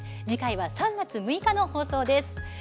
次回は３月６日の放送です。